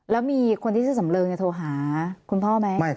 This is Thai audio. แล้วมีคนที่ชื่อสำเริงโทรหาคุณพ่อไหม